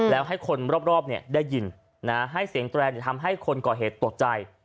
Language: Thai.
แล้วให้คนรอบได้ยินให้เสียงแตรนทำให้คนก่อเหตุตกใจ